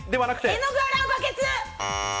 絵の具を洗うバケツ。